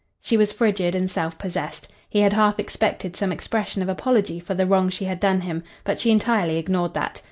She was frigid and self possessed. He had half expected some expression of apology for the wrong she had done him, but she entirely ignored that.